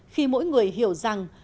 khi mỗi người hiểu rằng